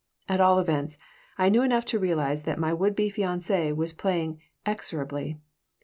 At all events, I knew enough to realize that my would be fiancée was playing execrably.